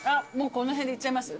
この辺でいっちゃいます？